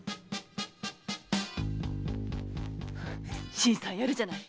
新さんやるじゃない。